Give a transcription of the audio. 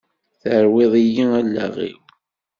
Terwiḍ-iyi allaɣ-iw!